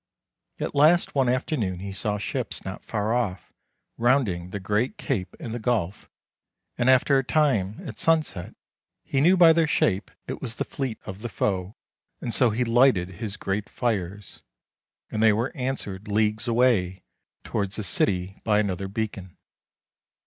At last one afternoon he saw ships, not far off, rounding the great cape in the gulf, and after a time, at sunset, he knew by their shape it was the fleet of the foe, and so he lighted his great fires, and they were 324 THE LANE THAT HAD NO TURNING answered leagues away towards the city by another beacon.